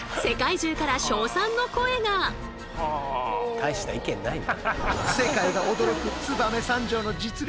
大した意見ないな。